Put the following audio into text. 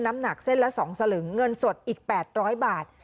น้ำหนักเส้นละ๒สลึงเงินสดอีก๘๐๐บาท